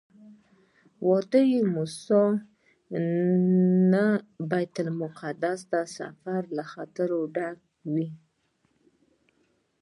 د وادي موسی نه بیت المقدس ته سفر له خطره ډک وو.